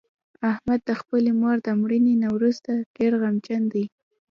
احمد د خپلې مور د مړینې نه ورسته ډېر غمجن دی.